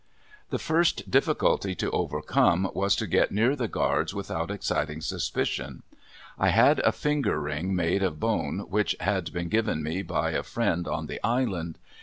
The first difficulty to overcome was to get near the guards without exciting suspicion. I had a finger ring made of bone which had been given to me by a friend on the Island.